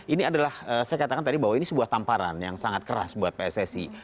ini adalah saya katakan tadi bahwa ini sebuah tamparan yang sangat keras buat pssi